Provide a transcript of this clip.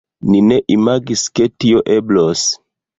Ni ne imagis, ke tio eblos.